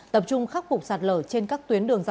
tập trung khắc phục sạt lở trên các tuyến đường